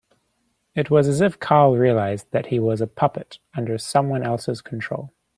It was as if Carl realised that he was a puppet under someone else's control.